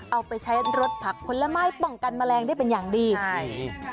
เอาไปใช้รสผักผลไม้ป้องกันแมลงได้เป็นอย่างดีใช่